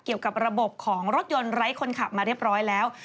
เกี่ยวกับระบบของรถยนต์ไร้คนขับมาเรียบร้อยแล้ว